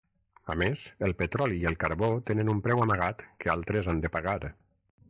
A més, el petroli i el carbó tenen un preu amagat que altres han de pagar.